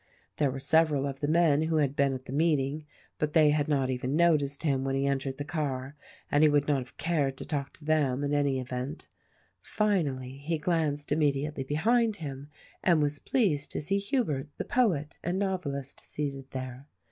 There were several of the men who had been at the meeting, but they had not even noticed him when he entered the car, and he would not have cared to talk to them, in any event. Finally he glanced immediately behind him and was pleased to see Hubert the poet and novelist seated there.